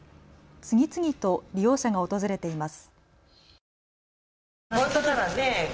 次々と利用者が訪れています。